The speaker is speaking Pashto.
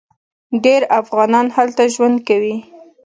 ډیر افغانان هلته ژوند کوي.